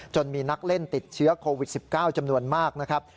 มีนักเล่นติดเชื้อโควิด๑๙จำนวนมากนะครับ